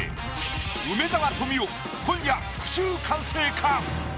梅沢富美男今夜句集完成か⁉